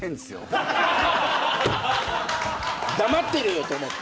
「黙ってろよ」と思って？